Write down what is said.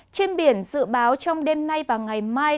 trên biển dự báo trong đêm nay và ngày mai